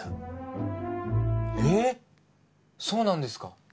そうなんですか？